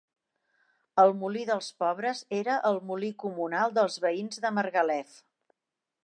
El molí dels pobres era el molí comunal dels veïns de Margalef.